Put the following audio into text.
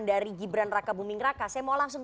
dari gibran raka buming raka saya mau langsung